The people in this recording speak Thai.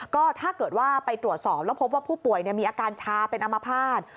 ก็ถ้าเกิดว่าไปตรวจสอบแล้วพบว่าผู้ป่วยมีอาการชาเป็นอมภาษณ์